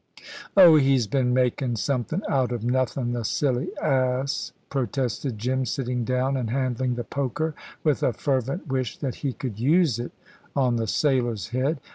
"Oh, he's been makin' somethin' out of nothin', the silly ass," protested Jim, sitting down and handling the poker with a fervent wish that he could use it on the sailor's head.